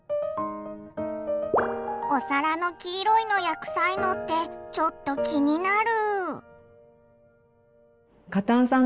お皿の黄色いのや臭いのってちょっと気になる。